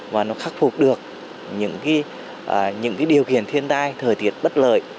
và nó khắc phục được những điều kiện thiên tai thời tiết bất lợi